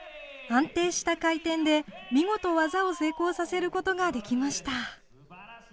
安定した回転で、見事技を成功させることができました。